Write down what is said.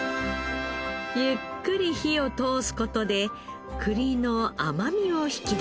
ゆっくり火を通す事で栗の甘みを引き出します。